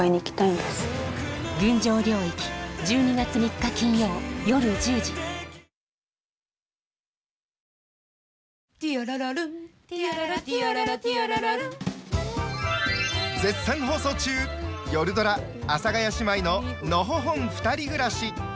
よるドラ「阿佐ヶ谷姉妹ののほほんふたり暮らし」。